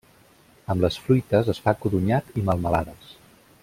Amb les fruites es fa codonyat i melmelades.